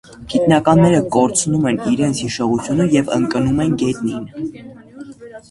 Գիտնականները կորցնում են իրենց հիշողությունը և ընկնում են գետնին։